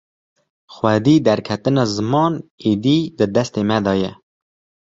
Xwedî derketina ziman êdî di destê me de ye.